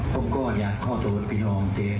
ผมก็อยากขอโทษทางน้องคืน